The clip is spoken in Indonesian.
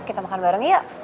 kita makan bareng yuk